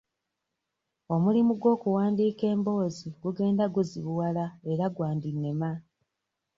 Omulimu gw'okuwandiika emboozi gugenda guzibuwala era gwandinnema.